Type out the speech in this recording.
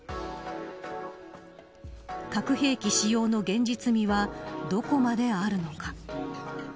核兵器使用の現実味はどこまであるのか。